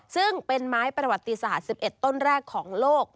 ซึ่งเป็นไม้ประวัติศาสตร์๑๑ต้นแรกของโลก